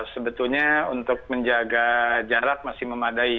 sebetulnya untuk menjaga jarak masih memadai